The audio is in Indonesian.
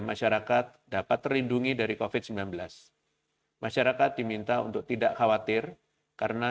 masyarakat dapat terlindungi dari kofit sembilan belas masyarakat diminta untuk tidak khawatir karena